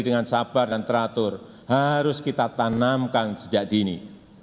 dengan sabar dan teratur harus kita tanamkan sejak dini